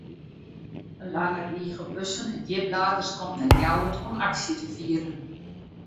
In lange rige bussen en djipladers komt nei Ljouwert om aksje te fieren.